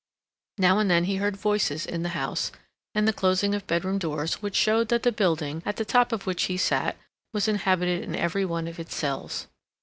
Now and then he heard voices in the house, and the closing of bedroom doors, which showed that the building, at the top of which he sat, was inhabited in every one of its cells.